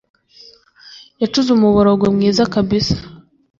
yacuze umuborogo mwiza kabisa